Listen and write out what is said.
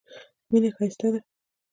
مینه ښایسته ده.